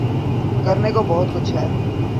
کرنے کو بہت کچھ ہے۔